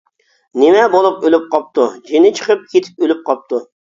-نېمە بولۇپ ئۆلۈپ قاپتۇ؟ -جېنى چىقىپ كېتىپ ئۆلۈپ قاپتۇ.